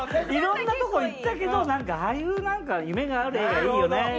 いろんなとこ行ったけどなんかああいうなんか夢がある絵がいいよね。